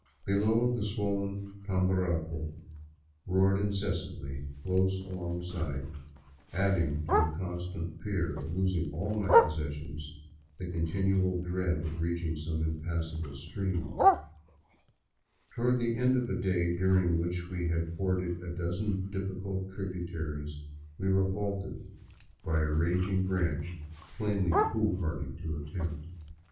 Below, the swollen Tamborapo roared incessantly close alongside, adding to the constant fear of losing all my possessions the continual dread of reach ing some impassable stream. Toward the end of a day during which we had forded a dozen difficult tributaries, we were halted by a raging 2Z7 VAGABONDING DOWN THE ANDES branch, plainly foolhardy to attempt.